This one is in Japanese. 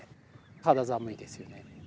肌寒いですよね。